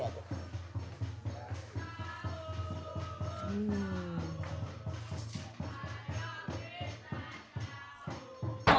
ya dari dulu saya udah rae